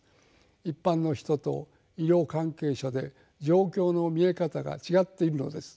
一般の人と医療関係者で状況の見え方が違っているのです。